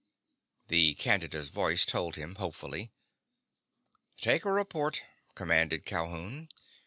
The Candida's voice told him, hopefully. "Take a report," commanded Calhoun.